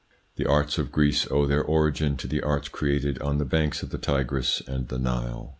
The arts of Greece owe their origin to the arts created on the banks of the Tigris and the Nile.